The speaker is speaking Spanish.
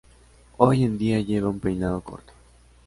Hoy en día lleva un peinado corto.